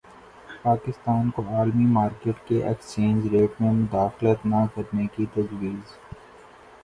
پاکستان کو عالمی مارکیٹ کے ایکسچینج ریٹ میں مداخلت نہ کرنے کی تجویز